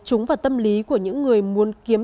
trúng vào tâm lý của những người muốn kiếm